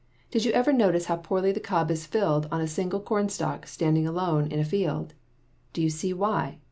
Did you ever notice how poorly the cob is filled on a single cornstalk standing alone in a field? Do you see why?